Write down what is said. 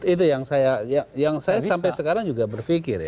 itu yang saya sampai sekarang juga berpikir ya